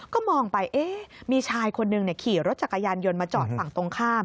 ก็มองไปมีชายคนหนึ่งขี่รถจักรยานยนต์มาจอดฝั่งตรงข้าม